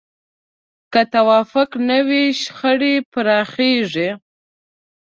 که توافق نه وي، شخړې پراخېږي.